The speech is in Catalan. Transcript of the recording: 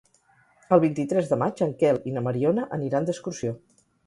El vint-i-tres de maig en Quel i na Mariona aniran d'excursió.